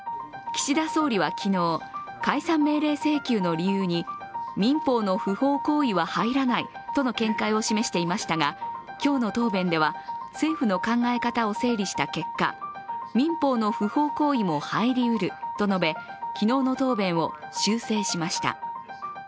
岸田総理は昨日、解散命令請求の理由に民法の不法行為は入らないとの見解を示していましたが、今日の答弁では政府の考え方を整理した結果民法の不法行為も入りうると述べ昨日の答弁を修正しました。